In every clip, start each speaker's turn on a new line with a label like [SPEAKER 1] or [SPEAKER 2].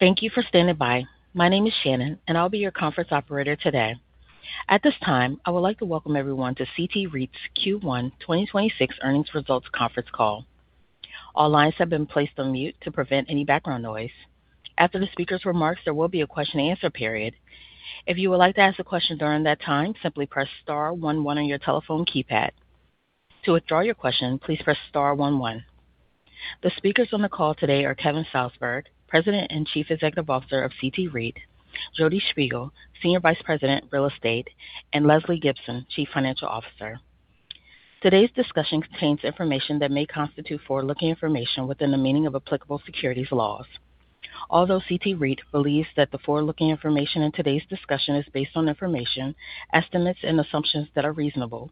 [SPEAKER 1] Thank you for standing by. My name is Shannon, and I'll be your conference operator today. At this time, I would like to welcome everyone to CT REIT's Q1 2026 earnings results conference call. All lines have been placed on mute to prevent any background noise. After the speaker's remarks, there will be a question and answer period. If you would like to ask a question during that time, simply press star 1 1 on your telephone keypad. To withdraw your question, please press star 1 1. The speakers on the call today are Kevin Salsberg, President and Chief Executive Officer of CT REIT; Jodi Shpigel, Senior Vice President, Real Estate; and Lesley Gibson, Chief Financial Officer. Today's discussion contains information that may constitute forward-looking information within the meaning of applicable securities laws. Although CT REIT believes that the forward-looking information in today's discussion is based on information, estimates, and assumptions that are reasonable,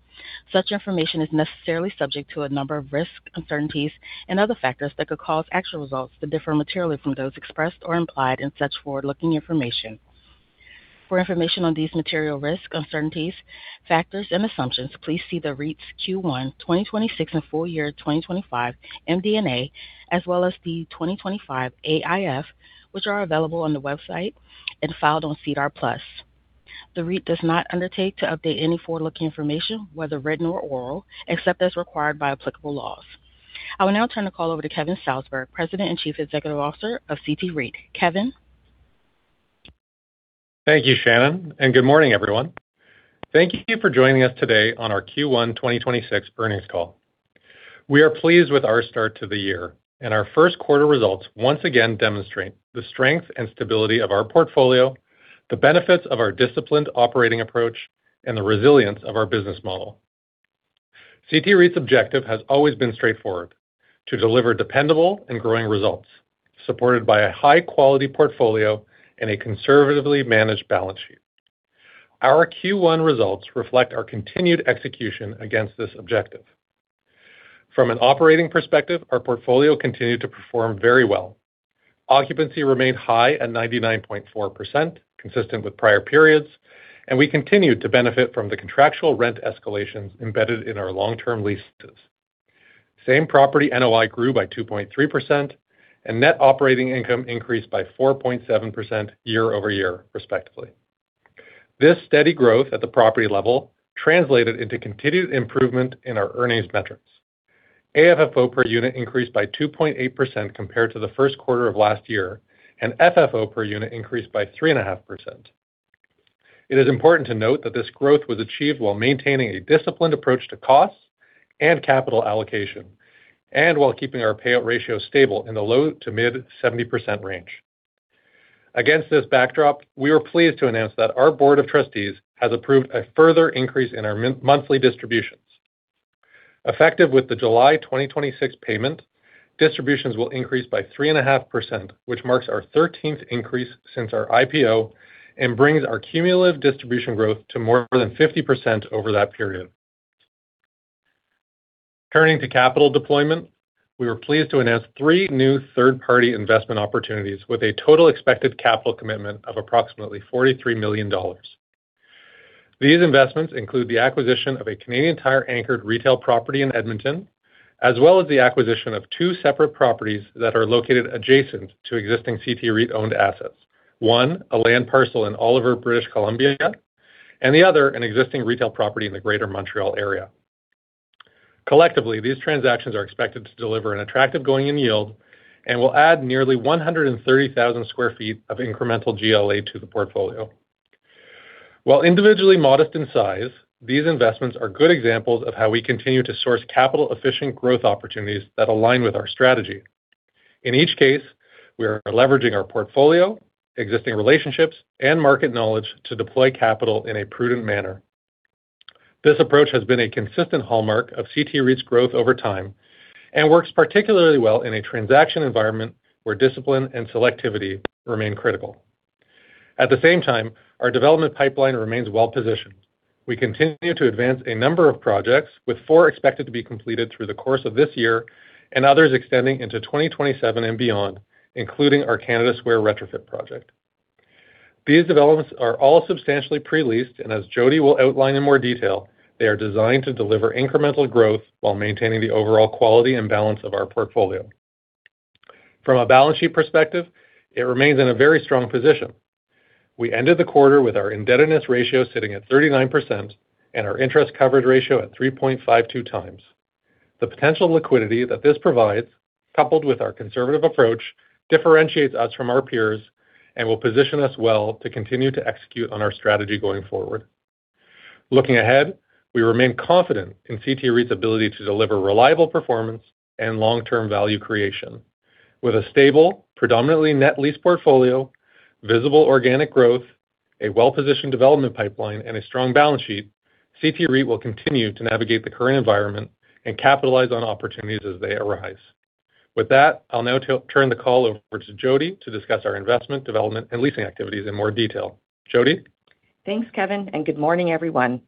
[SPEAKER 1] such information is necessarily subject to a number of risks, uncertainties, and other factors that could cause actual results to differ materially from those expressed or implied in such forward-looking information. For information on these material risks, uncertainties, factors, and assumptions, please see the REIT's Q1 2026 and full year 2025 MD&A, as well as the 2025 AIF, which are available on the website and filed on SEDAR+. The REIT does not undertake to update any forward-looking information, whether written or oral, except as required by applicable laws. I will now turn the call over to Kevin Salsberg, President and Chief Executive Officer of CT REIT. Kevin?
[SPEAKER 2] Thank you, Shannon. Good morning, everyone. Thank you for joining us today on our Q1 2026 earnings call. We are pleased with our start to the year, and our first quarter results once again demonstrate the strength and stability of our portfolio, the benefits of our disciplined operating approach, and the resilience of our business model. CT REIT's objective has always been straightforward: to deliver dependable and growing results, supported by a high-quality portfolio and a conservatively managed balance sheet. Our Q1 results reflect our continued execution against this objective. From an operating perspective, our portfolio continued to perform very well. Occupancy remained high at 99.4%, consistent with prior periods, and we continued to benefit from the contractual rent escalations embedded in our long-term leases. Same-Property NOI grew by two point three percent, and net operating income increased by 4.7% year-over-year, respectively. This steady growth at the property level translated into continued improvement in our earnings metrics. AFFO per unit increased by two point eight percent compared to the first quarter of last year, and FFO per unit increased by three and a half percent. It is important to note that this growth was achieved while maintaining a disciplined approach to costs and capital allocation and while keeping our payout ratio stable in the low to mid-70% range. Against this backdrop, we are pleased to announce that our board of trustees has approved a further increase in our monthly distributions. Effective with the July 2026 payment, distributions will increase by three and a half percent, which marks our 13th increase since our IPO and brings our cumulative distribution growth to more than 50% over that period. Turning to capital deployment, we were pleased to announce three new third-party investment opportunities with a total expected capital commitment of approximately 43 million dollars. These investments include the acquisition of a Canadian Tire anchored retail property in Edmonton, as well as the acquisition of two separate properties that are located adjacent to existing CT REIT-owned assets. One, a land parcel in Oliver, British Columbia, and the other, an existing retail property in the greater Montreal area. Collectively, these transactions are expected to deliver an attractive going-in yield and will add nearly 130,000 sq ft of incremental GLA to the portfolio. While individually modest in size, these investments are good examples of how we continue to source capital-efficient growth opportunities that align with our strategy. In each case, we are leveraging our portfolio, existing relationships, and market knowledge to deploy capital in a prudent manner. This approach has been a consistent hallmark of CT REIT's growth over time and works particularly well in a transaction environment where discipline and selectivity remain critical. Our development pipeline remains well-positioned. We continue to advance a number of projects, with four expected to be completed through the course of this year and others extending into 2027 and beyond, including our Canada Square retrofit project. These developments are all substantially pre-leased, and as Jodi will outline in more detail, they are designed to deliver incremental growth while maintaining the overall quality and balance of our portfolio. From a balance sheet perspective, it remains in a very strong position. We ended the quarter with our indebtedness ratio sitting at 39% and our interest coverage ratio at three point five two times. The potential liquidity that this provides, coupled with our conservative approach, differentiates us from our peers and will position us well to continue to execute on our strategy going forward. Looking ahead, we remain confident in CT REIT's ability to deliver reliable performance and long-term value creation. With a stable, predominantly net lease portfolio, visible organic growth, a well-positioned development pipeline, and a strong balance sheet, CT REIT will continue to navigate the current environment and capitalize on opportunities as they arise. With that, I'll now turn the call over to Jodi to discuss our investment, development, and leasing activities in more detail. Jodi?
[SPEAKER 3] Thanks, Kevin, and good morning, everyone.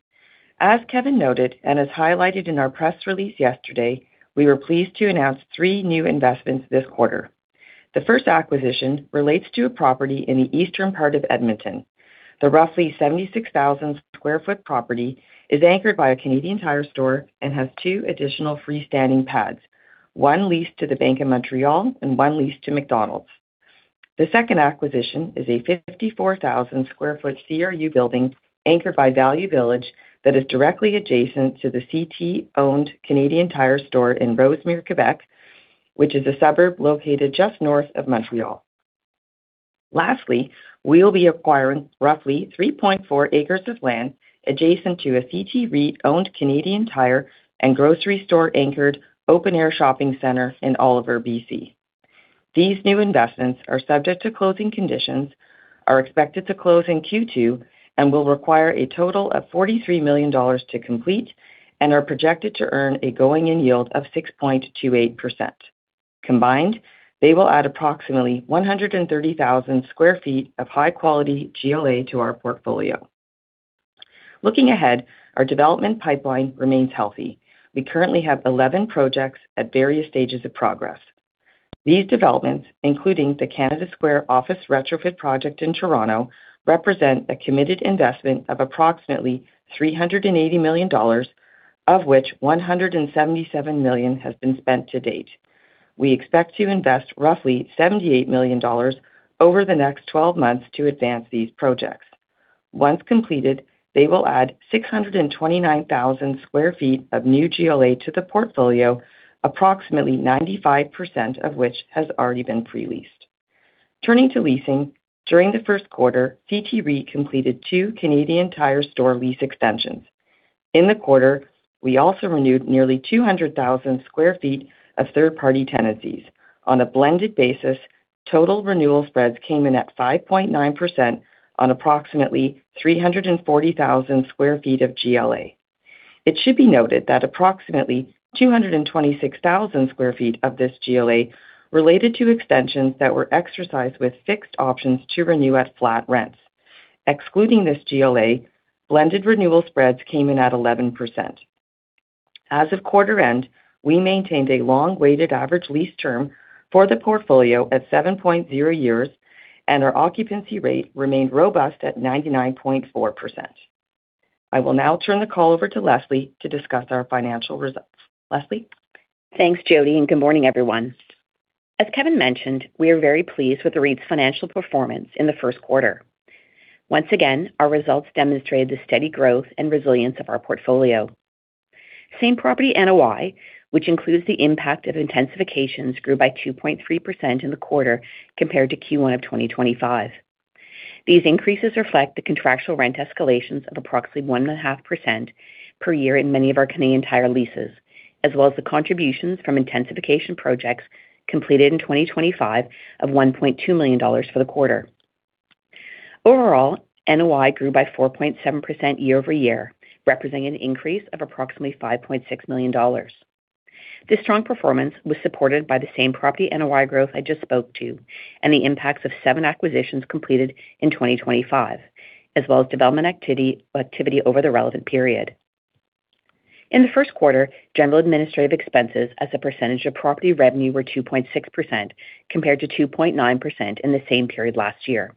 [SPEAKER 3] As Kevin noted, and as highlighted in our press release yesterday, we were pleased to announce three new investments this quarter. The first acquisition relates to a property in the eastern part of Edmonton. The roughly 76,000 square foot property is anchored by a Canadian Tire store and has two additional freestanding pads, one leased to the Bank of Montreal and one leased to McDonald's. The second acquisition is a 54,000 square foot CRU building anchored by Value Village that is directly adjacent to the CT-owned Canadian Tire store in Rosemere, Quebec, which is a suburb located just north of Montreal. Lastly, we'll be acquiring roughly three point fouur acres of land adjacent to a CT REIT-owned Canadian Tire and grocery store-anchored open-air shopping center in Oliver, B.C. These new investments are subject to closing conditions, are expected to close in Q2, and will require a total of 43 million dollars to complete and are projected to earn a going-in yield of six point two eight percent. Combined, they will add approximately 130,000 sq ft of high-quality GLA to our portfolio. Looking ahead, our development pipeline remains healthy. We currently have 11 projects at various stages of progress. These developments, including the Canada Square office retrofit project in Toronto, represent a committed investment of approximately 380 million dollars, of which 177 million has been spent to date. We expect to invest roughly 78 million dollars over the next 12 months to advance these projects. Once completed, they will add 629,000 sq ft of new GLA to the portfolio, approximately 95% of which has already been pre-leased. Turning to leasing, during the first quarter, CT REIT completed two Canadian Tire store lease extensions. In the quarter, we also renewed nearly 200,000 sq ft of third-party tenancies. On a blended basis, total renewal spreads came in at five point nine percent on approximately 340,000 sq ft of GLA. It should be noted that approximately 226,000 sq ft of this GLA related to extensions that were exercised with fixed options to renew at flat rents. Excluding this GLA, blended renewal spreads came in at 11%. As of quarter end, we maintained a long-weighted average lease term for the portfolio at seven point zero years, and our occupancy rate remained robust at 99.4%. I will now turn the call over to Lesley to discuss our financial results. Lesley?
[SPEAKER 4] Thanks, Jodi, good morning, everyone. As Kevin mentioned, we are very pleased with the REIT's financial performance in the first quarter. Once again, our results demonstrated the steady growth and resilience of our portfolio. Same-Property NOI, which includes the impact of intensifications, grew by two point three percent in the quarter compared to Q1 of 2025. These increases reflect the contractual rent escalations of approximately one and a half percent per year in many of our Canadian Tire leases, as well as the contributions from intensification projects completed in 2025 of 1.2 million dollars for the quarter. Overall, NOI grew by four point seven percent, year-over-year, representing an increase of approximately 5.6 million dollars. This strong performance was supported by the same-property NOI growth I just spoke to and the impacts of seven acquisitions completed in 2025, as well as development activity over the relevant period. In the first quarter, general administrative expenses as a percentage of property revenue were two point six percent, compared to two point nine percent in the same period last year.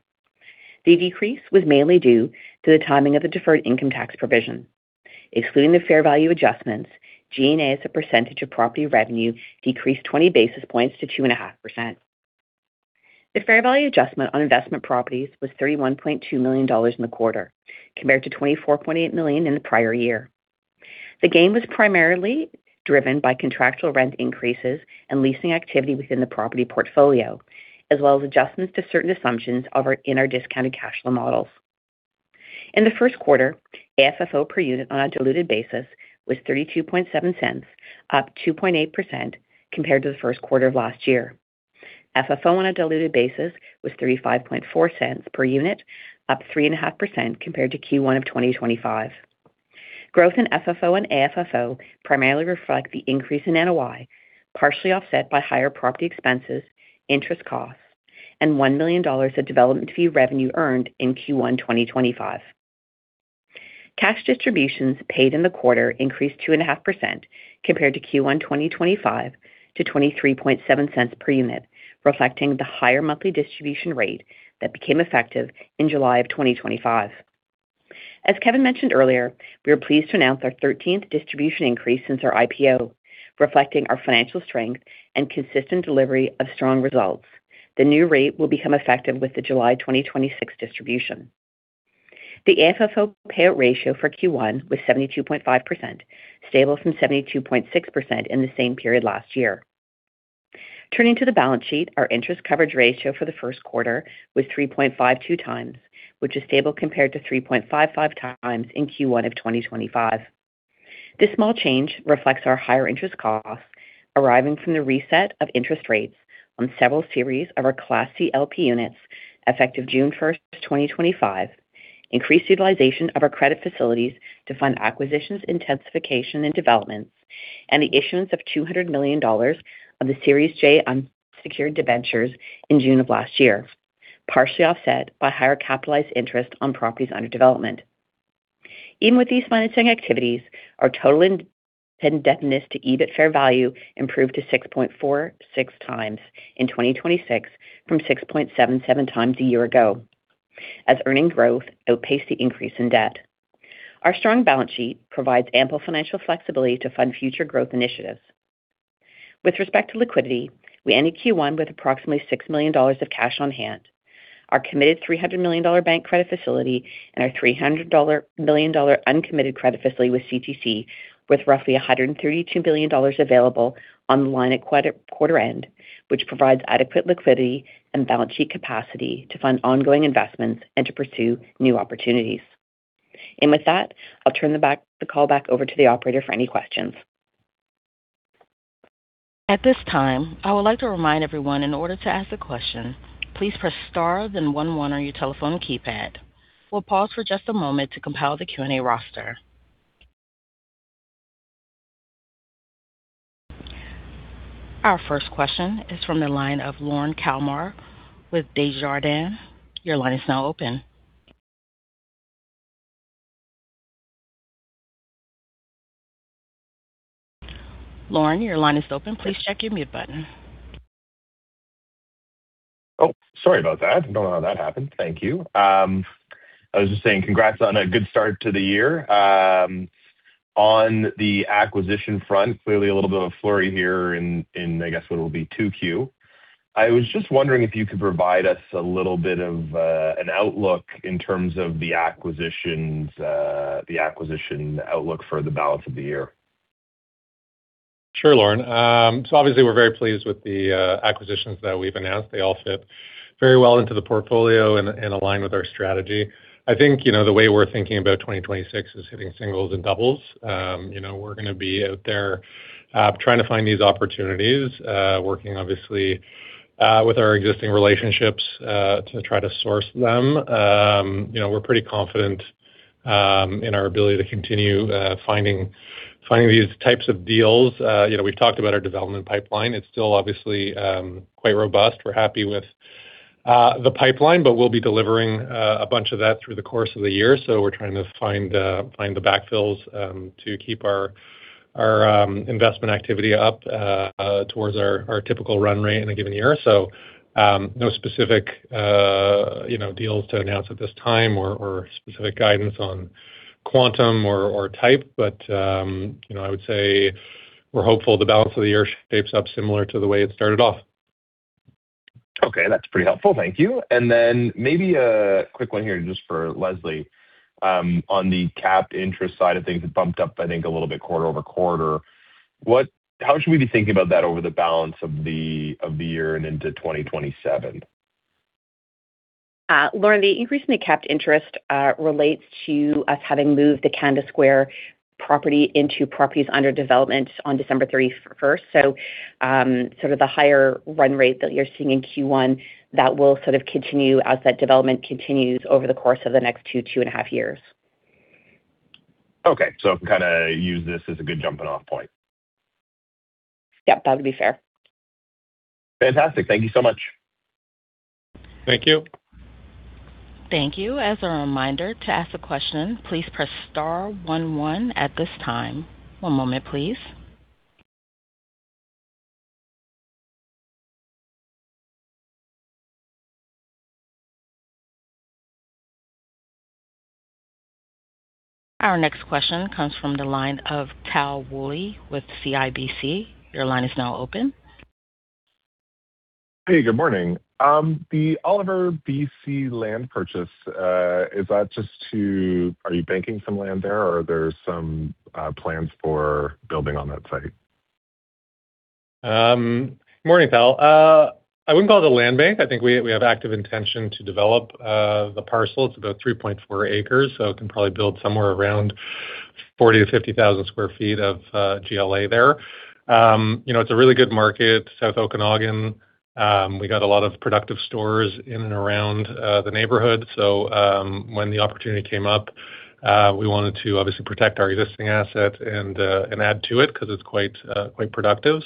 [SPEAKER 4] The decrease was mainly due to the timing of the deferred income tax provision. Excluding the fair value adjustments, G&A as a percentage of property revenue decreased 20 basis points to two and a half percent. The fair value adjustment on investment properties was 31.2 million dollars in the quarter, compared to 24.8 million in the prior year. The gain was primarily driven by contractual rent increases and leasing activity within the property portfolio, as well as adjustments to certain assumptions in our discounted cash flow models. In the first quarter, AFFO per unit on a diluted basis was 0.327, up two point eight percent compared to the first quarter of last year. FFO on a diluted basis was 0.354 per unit, up three and a half percent compared to Q1 of 2025. Growth in FFO and AFFO primarily reflect the increase in NOI, partially offset by higher property expenses, interest costs, and 1 million dollars of development fee revenue earned in Q1 2025. Cash distributions paid in the quarter increased two and a half percent compared to Q1 2025 to 0.237 per unit, reflecting the higher monthly distribution rate that became effective in July 2025. As Kevin mentioned earlier, we are pleased to announce our 13th distribution increase since our IPO, reflecting our financial strength and consistent delivery of strong results. The new rate will become effective with the July 2026 distribution. The AFFO payout ratio for Q1 was 72.5%, stable from 72.6% in the same period last year. Turning to the balance sheet, our interest coverage ratio for the first quarter was three point five two times, which is stable compared to three point five five times in Q1 2025. This small change reflects our higher interest costs arising from the reset of interest rates on several series of our Class C LP Units effective June first, 2025, increased utilization of our credit facilities to fund acquisitions, intensification, and developments, and the issuance of 200 million dollars of the Series J senior unsecured debentures in June of last year, partially offset by higher capitalized interest on properties under development. Even with these financing activities, our total indebtedness ratio improved to six point four six times in 2026 from six point seven seven times a year ago as earnings growth outpaced the increase in debt. Our strong balance sheet provides ample financial flexibility to fund future growth initiatives. With respect to liquidity, we ended Q1 with approximately 6 million dollars of cash on hand. Our committed 300 million dollar bank credit facility and our 300 million dollar uncommitted credit facility with CTC, with roughly 132 billion dollars available on the line at quarter end, which provides adequate liquidity and balance sheet capacity to fund ongoing investments and to pursue new opportunities. With that, I'll turn the call back over to the operator for any questions.
[SPEAKER 1] Our first question is from the line of Lorne Kalmar with Desjardins. Your line is now open. Lorne, your line is open. Please check your mute button.
[SPEAKER 5] Oh, sorry about that. Don't know how that happened. Thank you. I was just saying congrats on a good start to the year. On the acquisition front, clearly a little bit of a flurry here in, I guess what will be Q2. I was just wondering if you could provide us a little bit of an outlook in terms of the acquisitions, the acquisition outlook for the balance of the year.
[SPEAKER 2] Sure, Lorne. Obviously, we're very pleased with the acquisitions that we've announced. They all fit very well into the portfolio and align with our strategy. I think, you know, the way we're thinking about 2026 is hitting singles and doubles. You know, we're gonna be out there trying to find these opportunities, working obviously with our existing relationships to try to source them. You know, we're pretty confident in our ability to continue finding these types of deals. You know, we've talked about our development pipeline. It's still obviously quite robust. We're happy with the pipeline, but we'll be delivering a bunch of that through the course of the year. We're trying to find the backfills to keep our investment activity up towards our typical run rate in a given year. No specific, you know, deals to announce at this time or specific guidance on quantum or type. You know, I would say we're hopeful the balance of the year shapes up similar to the way it started off.
[SPEAKER 5] Okay. That's pretty helpful. Thank you. Maybe a quick one here just for Lesley. On the capped interest side of things, it bumped up I think a little bit quarter-over-quarter. How should we be thinking about that over the balance of the year and into 2027?
[SPEAKER 4] Lorne, the increase in the capped interest relates to us having moved the Canada Square property into properties under development on December 31st. Sort of the higher run rate that you're seeing in Q1, that will sort of continue as that development continues over the course of the next two and a half years.
[SPEAKER 5] Okay. I can kinda use this as a good jumping off point.
[SPEAKER 4] Yep. That would be fair.
[SPEAKER 5] Fantastic. Thank you so much.
[SPEAKER 2] Thank you.
[SPEAKER 1] Thank you. Our next question comes from the line of Tal Woolley with CIBC.
[SPEAKER 6] Hey, good morning. The Oliver B.C. land purchase, is that just Are you banking some land there, or are there some, plans for building on that site?
[SPEAKER 2] Good morning, Tal. I wouldn't call it a land bank. I think we have active intention to develop the parcel. It's about three point four acres, so it can probably build somewhere around 40,000 to 50,000 square feet of GLA there. You know, it's a really good market, South Okanagan. We got a lot of productive stores in and around the neighborhood. When the opportunity came up, we wanted to obviously protect our existing asset and add to it 'cause it's quite productive.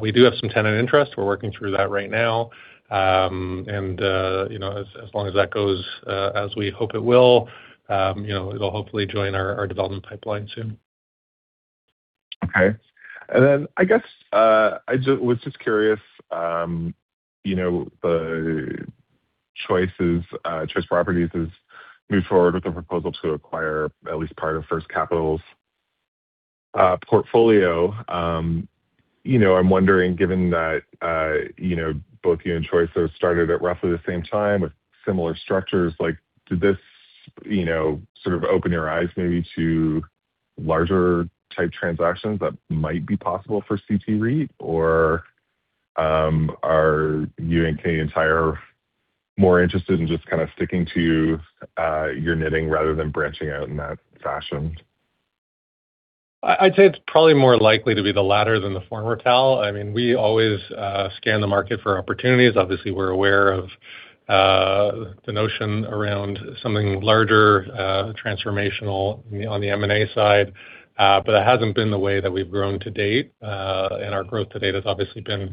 [SPEAKER 2] We do have some tenant interest. We're working through that right now. You know, as long as that goes as we hope it will, you know, it'll hopefully join our development pipeline soon.
[SPEAKER 6] Okay. I guess I was just curious, you know, the choices, Choice Properties has moved forward with a proposal to acquire at least part of First Capital's portfolio. You know, I'm wondering, given that, you know, both you and Choice sort of started at roughly the same time with similar structures, like, did this, you know, sort of open your eyes maybe to larger type transactions that might be possible for CT REIT, or, are you and Canadian Tire more interested in just kind of sticking to your knitting rather than branching out in that fashion?
[SPEAKER 2] I'd say it's probably more likely to be the latter than the former, Tal. I mean, we always scan the market for opportunities. Obviously, we're aware of the notion around something larger, transformational on the M&A side. It hasn't been the way that we've grown to date. Our growth to date has obviously been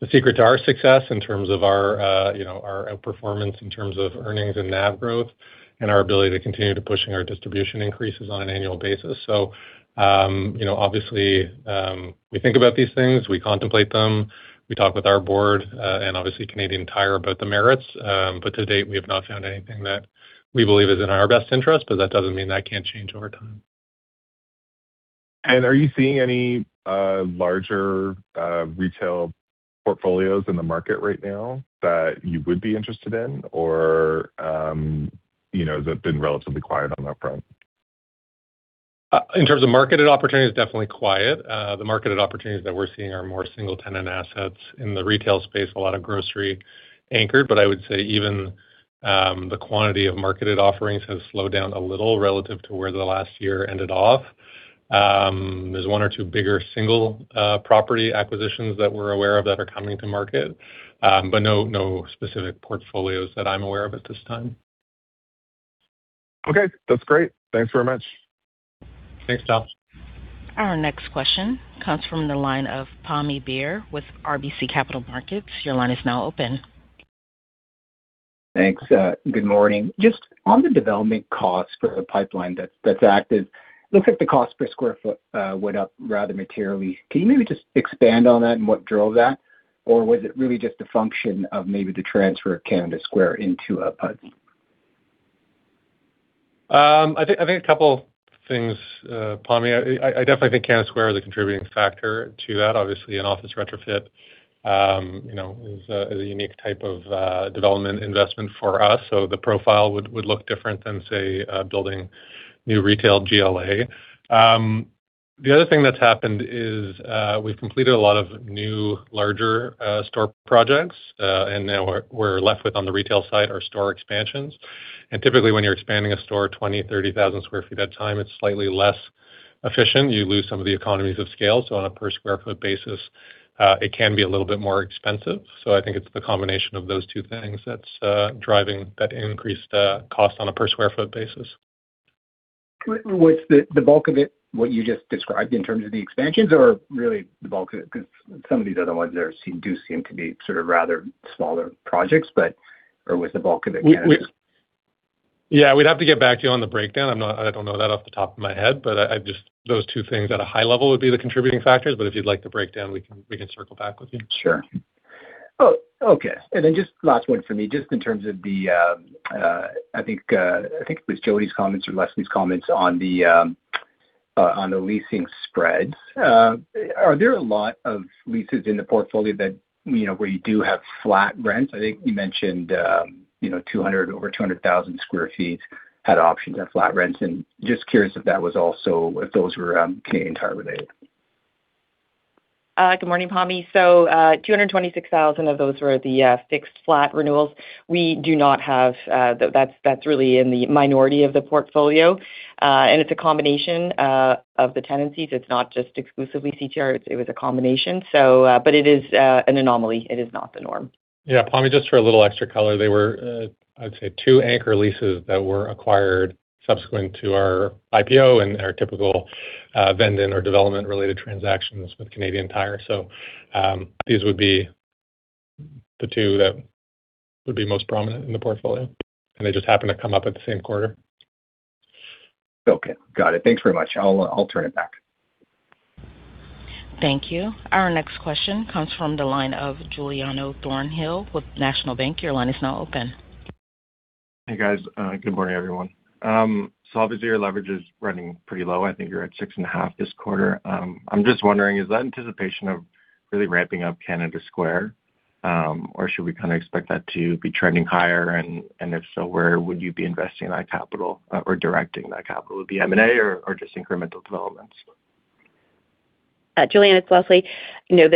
[SPEAKER 2] the secret to our success in terms of our, you know, our outperformance in terms of earnings and NAV growth and our ability to continue to pushing our distribution increases on an annual basis. You know, obviously, we think about these things, we contemplate them, we talk with our board, and obviously Canadian Tire about the merits. To date, we have not found anything that we believe is in our best interest, but that doesn't mean that can't change over time.
[SPEAKER 6] Are you seeing any larger retail portfolios in the market right now that you would be interested in or, you know, has it been relatively quiet on that front?
[SPEAKER 2] In terms of marketed opportunities, definitely quiet. The marketed opportunities that we're seeing are more single tenant assets in the retail space, a lot of grocery anchored. I would say even the quantity of marketed offerings has slowed down a little relative to where the last year ended off. There's one or two bigger single property acquisitions that we're aware of that are coming to market. No, no specific portfolios that I'm aware of at this time.
[SPEAKER 6] Okay. That's great. Thanks very much.
[SPEAKER 2] Thanks, Charles.
[SPEAKER 1] Our next question comes from the line of Pammi Bir with RBC Capital Markets. Your line is now open.
[SPEAKER 7] Thanks. Good morning. Just on the development cost for the pipeline that's active, looks like the cost per square foot went up rather materially. Can you maybe just expand on that and what drove that? Was it really just a function of maybe the transfer of Canada Square into a PUD?
[SPEAKER 2] I think a couple things, Pammi. I definitely think Canada Square is a contributing factor to that. Obviously, an office retrofit, you know, is a unique type of development investment for us, so the profile would look different than, say, building new retail GLA. The other thing that's happened is we've completed a lot of new, larger store projects, and now we're left with on the retail side are store expansions. Typically, when you're expanding a store 20,000, 30,000 square feet at a time, it's slightly less efficient. You lose some of the economies of scale. On a per square foot basis, it can be a little bit more expensive. I think it's the combination of those two things that's driving that increased cost on a per square foot basis.
[SPEAKER 7] Was the bulk of it what you just described in terms of the expansions or really the bulk of it, 'cause some of these other ones do seem to be sort of rather smaller projects, Or was the bulk of it Canada Square?
[SPEAKER 2] We Yeah, we'd have to get back to you on the breakdown. I don't know that off the top of my head. I just Those two things at a high level would be the contributing factors. If you'd like the breakdown, we can circle back with you.
[SPEAKER 7] Sure. Okay. Just last one for me. Just in terms of the, I think, I think it was Jodi's comments or Lesley's comments on the on the leasing spreads. Are there a lot of leases in the portfolio that, you know, where you do have flat rents? I think you mentioned, you know, over 200,000 sq ft had options at flat rents. Just curious if that was also if those were Canadian Tire related.
[SPEAKER 3] Good morning, Pammi. 226,000 of those were the fixed flat renewals. We do not have, that's really in the minority of the portfolio. It's a combination of the tenancies. It's not just exclusively CTR. It was a combination. It is an anomaly. It is not the norm.
[SPEAKER 2] Yeah. Pammi, just for a little extra color, they were, I would say two anchor leases that were acquired subsequent to our IPO and our typical vend-in or development related transactions with Canadian Tire. These would be the two that would be most prominent in the portfolio, and they just happened to come up at the same quarter.
[SPEAKER 7] Okay. Got it. Thanks very much. I'll turn it back.
[SPEAKER 1] Thank you. Our next question comes from the line of Giuliano Thornhill with National Bank. Your line is now open.
[SPEAKER 8] Hey, guys. Good morning, everyone. Obviously your leverage is running pretty low. I think you're at six and a half this quarter. I'm just wondering, is that anticipation of really ramping up Canada Square, or should we kind of expect that to be trending higher? If so, where would you be investing that capital or directing that capital? Would it be M&A or just incremental developments?
[SPEAKER 4] Giuliano, it's Lesley. You know,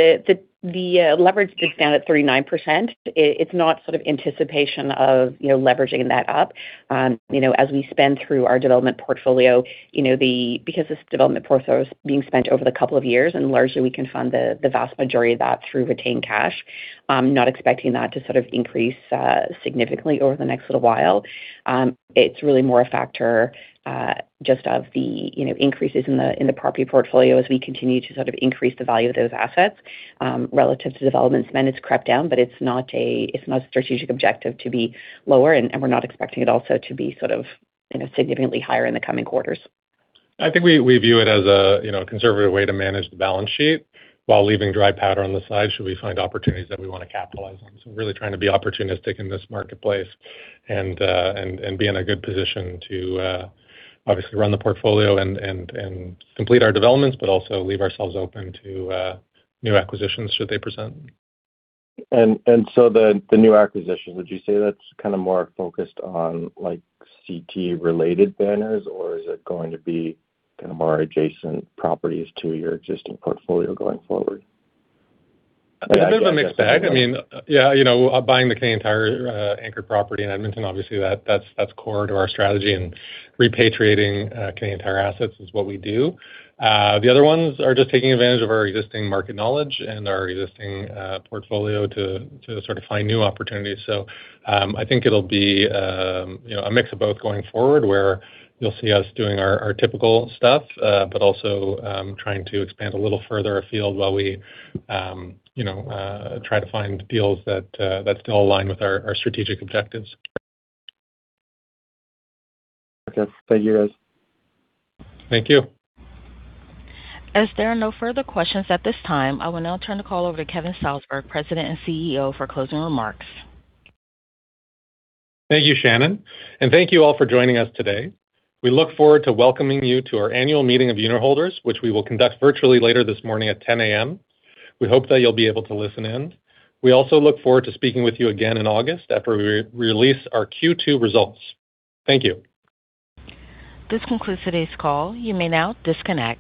[SPEAKER 4] the leverage did stand at 39%. It's not sort of anticipation of, you know, leveraging that up. You know, as we spend through our development portfolio, you know, the because this development portfolio is being spent over the couple of years, and largely we can fund the vast majority of that through retained cash, not expecting that to sort of increase significantly over the next little while. It's really more a factor just of the, you know, increases in the property portfolio as we continue to sort of increase the value of those assets relative to developments. I mean, it's crept down, but it's not a strategic objective to be lower and we're not expecting it also to be sort of, you know, significantly higher in the coming quarters.
[SPEAKER 2] I think we view it as a, you know, conservative way to manage the balance sheet while leaving dry powder on the side should we find opportunities that we wanna capitalize on. Really trying to be opportunistic in this marketplace and be in a good position to obviously run the portfolio and complete our developments, but also leave ourselves open to new acquisitions should they present.
[SPEAKER 8] The new acquisitions, would you say that's more focused on like CT related banners, or is it going to be more adjacent properties to your existing portfolio going forward?
[SPEAKER 2] It's a bit of a mixed bag. I mean, yeah, you know, buying the Canadian Tire anchor property in Edmonton, obviously that's core to our strategy and repatriating Canadian Tire assets is what we do. The other ones are just taking advantage of our existing market knowledge and our existing portfolio to sort of find new opportunities. I think it'll be, you know, a mix of both going forward, where you'll see us doing our typical stuff, but also trying to expand a little further afield while we, you know, try to find deals that still align with our strategic objectives.
[SPEAKER 8] Okay. Thank you, guys.
[SPEAKER 2] Thank you.
[SPEAKER 1] As there are no further questions at this time, I will now turn the call over to Kevin Salsberg, President and CEO, for closing remarks.
[SPEAKER 2] Thank you, Shannon. Thank you all for joining us today. We look forward to welcoming you to our Annual Meeting of Unitholders, which we will conduct virtually later this morning at 10:00 A.M. We hope that you'll be able to listen in. We also look forward to speaking with you again in August after we re-release our Q2 results. Thank you.
[SPEAKER 1] This concludes today's call. You may now disconnect.